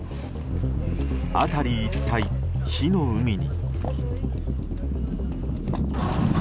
辺り一帯、火の海に。